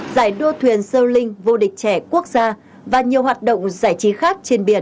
giải đua thuyền seo linh vô địch trẻ quốc gia và nhiều hoạt động giải trí khác trên biển